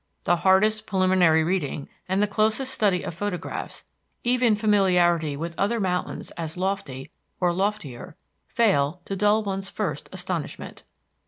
The hardest preliminary reading and the closest study of photographs, even familiarity with other mountains as lofty, or loftier, fail to dull one's first astonishment.